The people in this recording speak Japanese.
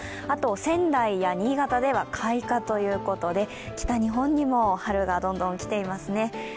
あと仙台や新潟では開花ということで北日本にも春がどんどん来ていますね。